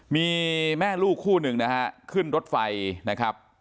มีแม่ลูกคู่หนึ่งนะฮะขึ้นรถไฟนะครับ